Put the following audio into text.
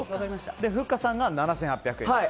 ふっかさんが７８００円です。